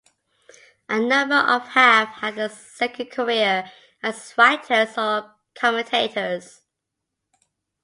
A number of have had a second career as writers or commentators.